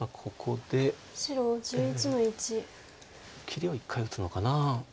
ここで切りを一回打つのかな。